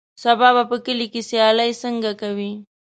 سبا به په کلي کې سیالۍ څنګه کوې.